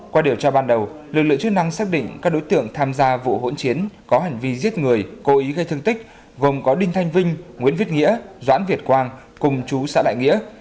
qua điều tra ban đầu lực lượng chức năng xác định các đối tượng tham gia vụ hỗn chiến có hành vi giết người cố ý gây thương tích gồm có đinh thanh vinh nguyễn viết nghĩa doãn việt quang cùng chú xã đại nghĩa